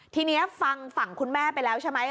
ทีนี้ฟังฝั่งคุณแม่ไปแล้วใช่ไหม